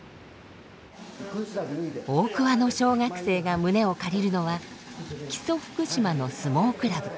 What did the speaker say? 大桑の小学生が胸を借りるのは木曽福島の相撲クラブ。